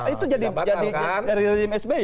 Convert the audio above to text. itu jadi dari rimsby